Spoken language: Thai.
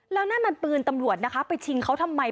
แล้วนั่นมันปืนตำรวจนะคะไปชิงเขาทำไม